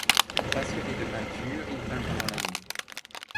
Passionné de peinture, il peint pendant la nuit.